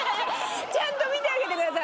ちゃんと見てあげてください。